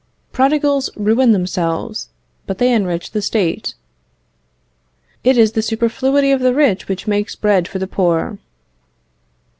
"Prodigals ruin themselves, but they enrich the State." "It is the superfluity of the rich which makes bread for the poor."